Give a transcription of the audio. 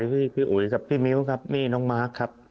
พี่อุ๋ยครับพี่มิ้วครับนี่น้องมาร์คครับ